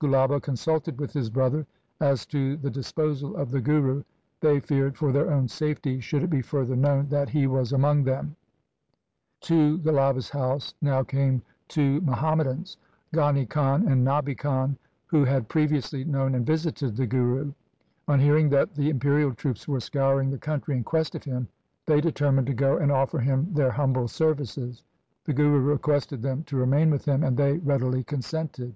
Gulaba consulted with his brother as to the disposal of the Guru. They feared for their own safety should it be further known that he was among them. THE SIKH RELIGION To Gulaba's house now came two Muhammadans, Ghani Khan and Nabi Khan, who had previously known and visited the Guru. On hearing that the imperial troops were scouring the country in quest of him, they determined to go and offer him their humble services. The Guru requested them to remain with him, and they readily consented.